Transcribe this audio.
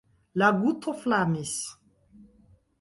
La guto flamis.